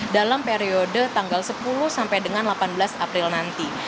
dalam periode tanggal sepuluh sampai dengan delapan belas april nanti